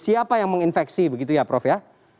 siapa yang menginfeksi begitu ya prof ya